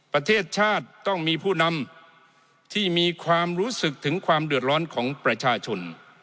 ประเทศชาติต้องมีผู้นำที่มีความรู้สึกถึงความเดือดร้อนของประชาชน